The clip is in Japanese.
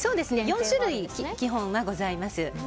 ４種類、基本はございます。